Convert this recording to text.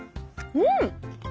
うん！